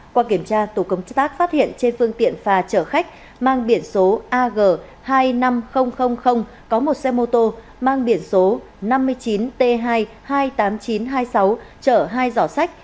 qua kiểm tra tổ công tác phát hiện trên phương tiện phà chở khách mang biển số ag hai mươi năm nghìn có một xe mô tô mang biển số năm mươi chín t hai mươi tám nghìn chín trăm hai mươi sáu chở hai giỏ sách